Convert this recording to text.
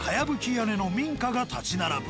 屋根の民家が立ち並ぶ